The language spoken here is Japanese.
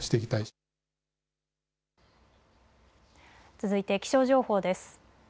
続いて気象情報です。